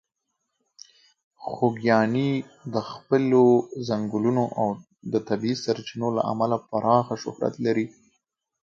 خوږیاڼي د خپلې ځنګلونو او د طبیعي سرچینو له امله پراخه شهرت لري.